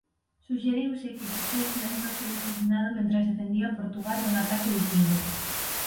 Suxeriuse que quizais Mendo foi asasinado mentres defendía Portugal dun ataque viquingo.